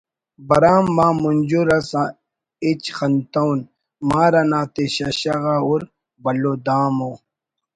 برام آ مُنجر اس ہچ خنتون مار اَنا تے ششہ غا ہُر بھلو دَام و